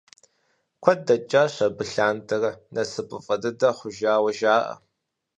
Куэд дэкӏащ абы лъандэрэ, насыпыфӏэ дыдэ хъужауэ жаӏэ.